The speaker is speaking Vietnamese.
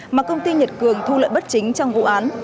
mà công ty nhật cường thu lợi bất chính trong vụ án